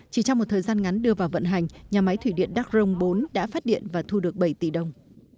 chỉ trong một thời gian ngắn đưa vào vận hành nhà máy thủy điện đắc rông bốn đã phát điện và thu được bảy tỷ đồng